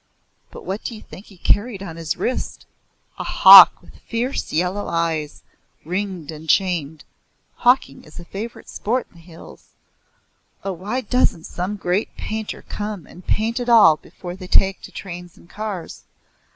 But what do you think he carried on his wrist a hawk with fierce yellow eyes, ringed and chained. Hawking is a favourite sport in the hills. Oh, why doesn't some great painter come and paint it all before they take to trains and cars?